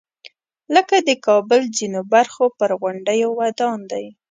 لکه د کابل ځینو برخو پر غونډیو ودان دی.